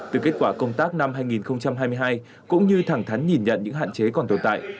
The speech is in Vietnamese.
từ kết quả công tác năm hai nghìn hai mươi hai cũng như thẳng thắn nhìn nhận những hạn chế còn tồn tại